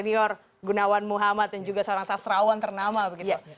senior gunawan muhammad dan juga seorang sastrawan ternama begitu